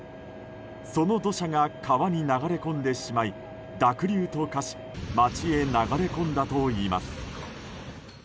その土砂が川に流れ込んでしまい濁流と化し町へ流れ込んだといいます。